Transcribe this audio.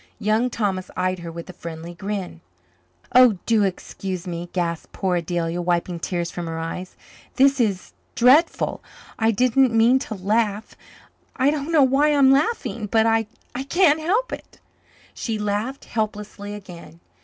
Young Thomas eyed her with a friendly grin. "Oh, do excuse me," gasped poor Adelia, wiping tears from her eyes. "This is dreadful I didn't mean to laugh I don't know why I'm laughing but I can't help it." She laughed helplessly again.